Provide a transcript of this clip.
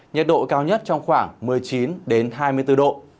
nhiệt độ cao nhất trong khoảng một mươi chín đến hai mươi độ